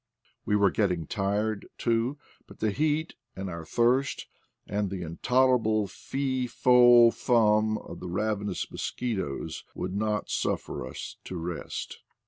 We were getting tired, too, but the heat and our thirst, and the intoler able fi fo fum of the ravenous mosquitoes would not suffer us to rest.